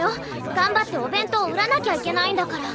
頑張ってお弁当売らなきゃいけないんだから。